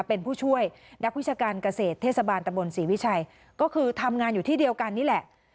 เป็นผู้ช่วยนักวิชาการเกษตรเทศบาลตะบนศรีวิชัยก็คือทำงานอยู่ที่เดียวกันนี่แหละ